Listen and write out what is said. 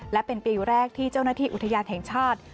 และเป็นปีแรกที่เจ้าหน้าที่อุทยานแห่งชาติ